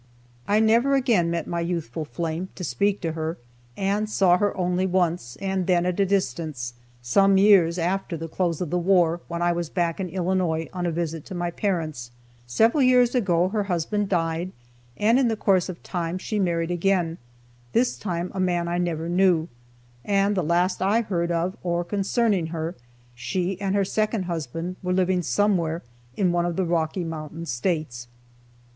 I never again met my youthful flame, to speak to her, and saw her only once, and then at a distance, some years after the close of the war when I was back in Illinois on a visit to my parents. Several years ago her husband died, and in course of time she married again, this time a man I never knew, and the last I heard of or concerning her, she and her second husband were living somewhere in one of the Rocky Mountain States.